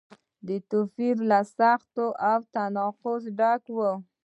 توپیر سخت او له تناقضه ډک دی.